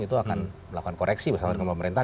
itu akan melakukan koreksi bersama dengan pemerintah